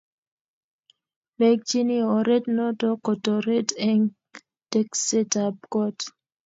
mekchini oret noto kotorit eng' teksetab koot.